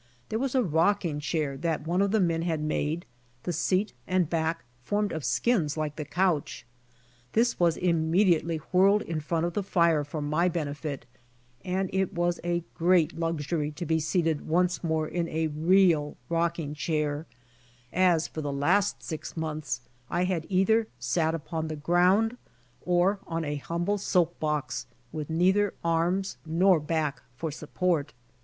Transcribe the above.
There was a rocking chair that one of the men had made, the seat and back formed of skins like the couch. This was immediately whirled in front of the fire for my benefit, and it was a great luxury to be seated once more in a real rocking chair, as for the last six months I had either sat upon the ground, or on an humble soap box with neither arms nor back for support.